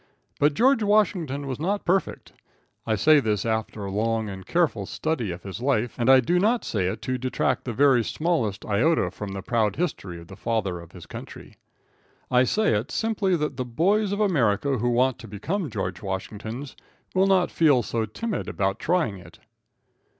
But George Washington was not perfect. I say this after a long and careful study of his life, and I do not say it to detract the very smallest iota from the proud history of the Father of his Country. I say it simply that the boys of America who want to become George Washingtons will not feel so timid about trying it.